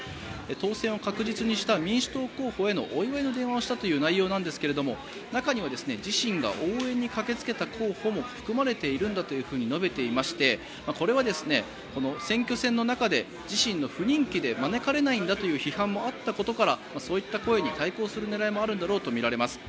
当選を確実にした民主党候補へのお祝いの電話をしたという内容なんですが中には自身が応援に駆けつけた候補も含まれているんだと述べていましてこれは選挙戦の中で自身の不人気で招かれないんだという批判もあったことからそういった声に対抗する狙いもあるんだろうとみられます。